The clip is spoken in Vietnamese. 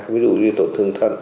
ví dụ như tổn thương thân